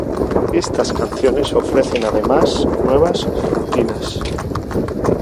Estas canciones ofrecen además nuevas rutinas.